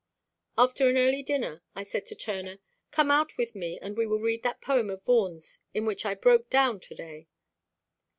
After an early dinner, I said to Turner "Come out with me, and we will read that poem of Vaughan's in which I broke down today."